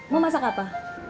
mau masak apa